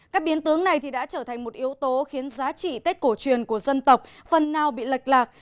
các biến tướng này đã trở thành một yếu tố khiến giá trị tết cổ truyền của dân tộc phần nào bị lệch lạc